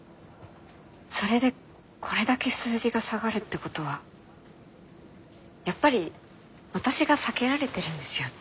それでこれだけ数字が下がるってことはやっぱり私が避けられてるんですよね。